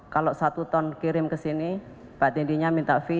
kalau satu ton kirim kesini pak teddy nya minta fee seratus miliar